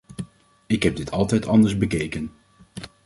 Ik heb dit altijd anders bekeken.